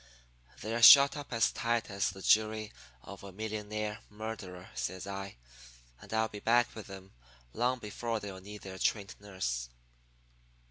"'They're shut up as tight as the jury of a millionaire murderer,' says I. 'And I'll be back with them long before they'll need their trained nurse.'